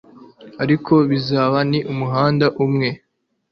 ariko ibizaba ni umuhanda umwe